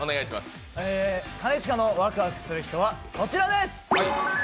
兼近のワクワクする人は、こちらです。